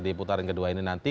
di putaran kedua ini nanti